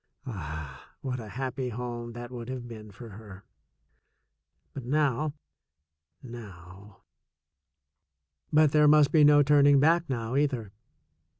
Ah, what a happy home that would have been for her! But now, now But there must be no turning back now, either.